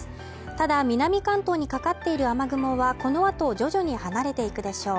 ただ南関東にかかっている雨雲はこの後徐々に離れていくでしょう。